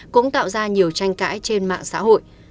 cũng tạo ra nhiều tranh cãi trên mạng xã hội